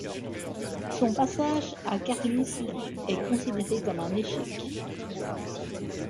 Son passage à Carlisle est considéré comme un échec.